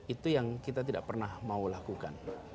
itu yang kita tidak pernah mau lakukan